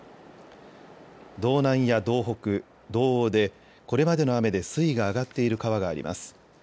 道南や道北、道央でこれまでの雨で水位が上がっている川があります。